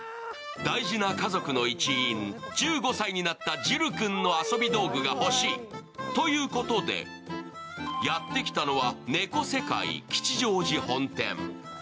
大事な家族の一員、１５歳になったジル君の遊び道具が欲しいということでやってきたのは、ネコセカイ吉祥寺本店。